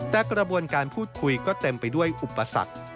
แต่กระบวนการพูดคุยก็เต็มไปด้วยอุปสรรค